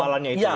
amalannya itu ya